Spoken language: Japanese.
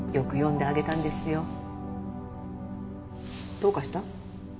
どうかした？